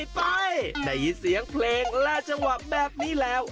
ไปได้ยินเสียงเพลงและจังหวะแบบนี้แล้ว